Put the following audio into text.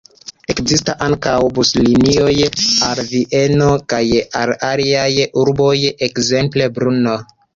Ekzistas ankaŭ buslinioj al Vieno kaj al aliaj urboj, ekzemple Brno.